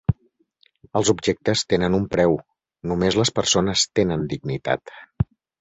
Els objectes tenen un preu; només les persones tenen dignitat.